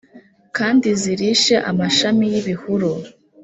kandi zirishe amashami y’ibihuru.